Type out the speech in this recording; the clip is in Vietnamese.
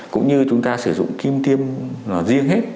cũng như chúng ta sử dụng kim tiêm nó riêng hết